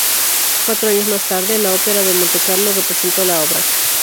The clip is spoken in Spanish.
Cuatro años más tarde la Ópera de Montecarlo representó la obra.